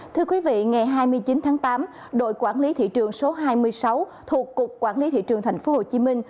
thưa quý vị ngày hai mươi chín tháng tám đội quản lý thị trường số hai mươi sáu thuộc cục quản lý thị trường thành phố hồ chí minh